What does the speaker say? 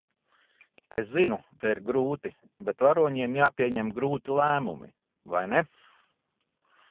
Es zinu, ka ir grūti, bet varoņiem jāpieņem grūti lēmumi, vai ne?